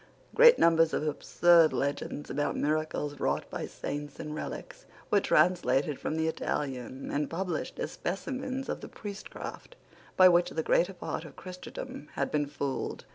Great numbers of absurd legends about miracles wrought by saints and relics were translated from the Italian and published as specimens of the priestcraft by which the greater part of Christendom had been fooled.